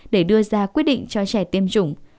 để đưa ra quyết định cho trẻ tiêm chủng